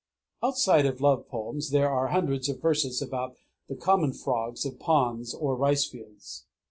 _ Outside of love poems there are hundreds of verses about the common frogs of ponds or ricefields.